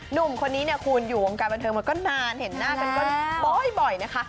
หนุ่มคนนี้เนี่ยคุณอยู่วงการบันเทิงมาก็นานเห็นหน้ากันก็บ่อยนะคะ